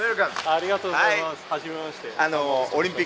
ありがとうございます。